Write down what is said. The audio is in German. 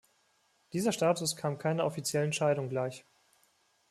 Dieser Status kam keiner offiziellen Scheidung gleich.